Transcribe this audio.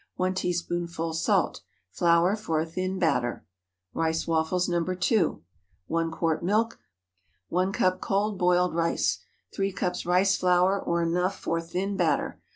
1 teaspoonful salt. Flour for a thin batter. RICE WAFFLES (No. 2.) 1 quart milk. 1 cup cold boiled rice. 3 cups rice flour, or enough for thin batter.